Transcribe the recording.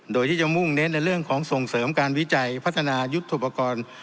โดยที่จะมุ่งเน้นในเรื่องของส่งเสริมการวิจัยพัฒนายุทธโปรกรณ์